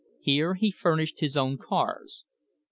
Here he furnished his own cars.